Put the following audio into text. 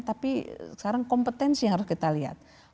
tapi sekarang kompetensi yang harus kita lihat